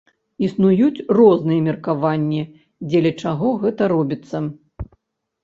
Існуюць розныя меркаванні, дзеля чаго гэта робіцца.